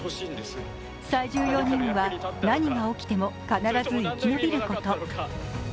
最重要任務は何が起きても必ず生き延びること。